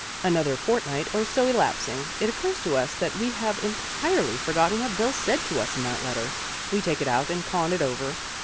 Another fortnight or so elapsing, it occurs to us that we have entirely forgotten what Bill said to us in that letter. We take it out and con it over.